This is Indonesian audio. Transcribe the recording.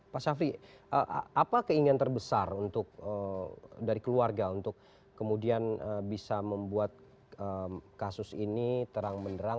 pak syafri apa keinginan terbesar untuk dari keluarga untuk kemudian bisa membuat kasus ini terang menderang